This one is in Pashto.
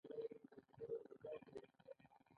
هغه وايي چې زه یو مهربانه انسان یم